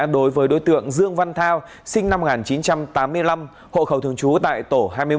đối với đối tượng dương văn thao sinh năm một nghìn chín trăm tám mươi năm hộ khẩu thường trú tại tổ hai mươi một